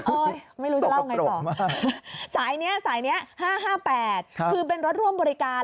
โอ๊ยไม่รู้จะเล่าไงต่อสายนี้๕๕๘คือเป็นรถร่วมบริการ